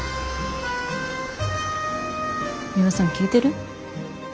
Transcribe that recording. ミワさん聞いてる？